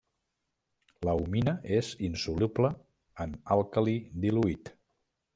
La humina és insoluble en àlcali diluït.